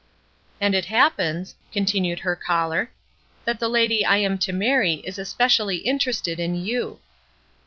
"And it happens," continued her caller, "that the lady I am to marry is especially interested in you."